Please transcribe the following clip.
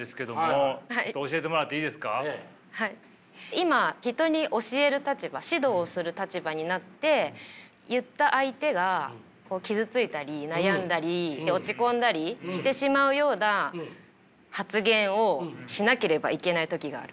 今人に教える立場指導をする立場になって言った相手が傷ついたり悩んだり落ち込んだりしてしまうような発言をしなければいけない時がある。